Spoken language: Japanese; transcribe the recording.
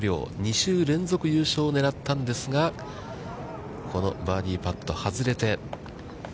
２週連続優勝を狙ったんですが、このバーディーパット、外れて。